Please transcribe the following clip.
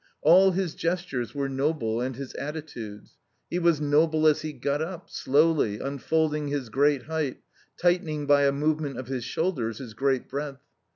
All his gestures were noble and his attitudes. He was noble as he got up, slowly, unfolding his great height, tightening by a movement of his shoulders his great breadth.